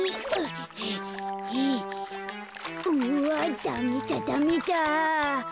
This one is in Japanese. うわっダメだダメだ。